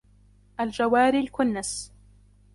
الجوار الكنس